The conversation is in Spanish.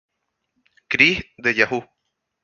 Chris de Yahoo!